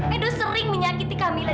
edo sering menyakiti kamila